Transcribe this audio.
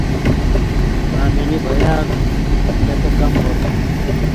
آں ملی بھیاک گتہ کم ہوتُھو۔